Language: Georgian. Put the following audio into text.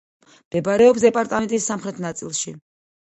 მდებარეობს დეპარტამენტის სამხრეთ ნაწილში.